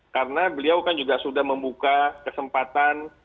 karena beliau kan juga sudah membuka kesempatan